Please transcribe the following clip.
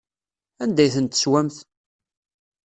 Anda ay tent-teswamt?